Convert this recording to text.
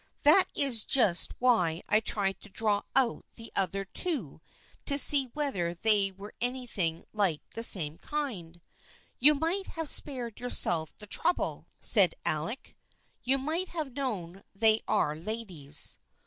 That is just why I tried to draw out the other two to see whether they were anything like the same kind." " You might have spared yourself the trouble," THE FKIENDSHIP OF ANNE 167 said Alec. " You might have known they are ladies."